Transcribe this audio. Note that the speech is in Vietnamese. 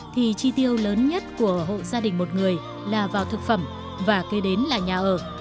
thì chi tiêu lớn nhất của hộ gia đình một người là vào thực phẩm và kế đến là nhà ở